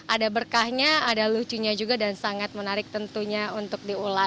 ada berkahnya ada lucunya juga dan sangat menarik tentunya untuk diulas